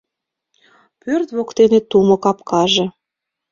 Пӧрт воктене тумо капкаже